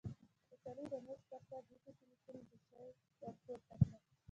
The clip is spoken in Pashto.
هوټلي د مېز پر سر د ايښي تليفون ګوشۍ ورپورته کړه.